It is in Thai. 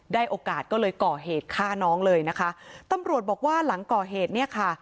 โอกาสก็เลยก่อเหตุฆ่าน้องเลยนะคะตำรวจบอกว่าหลังก่อเหตุเนี่ยค่ะ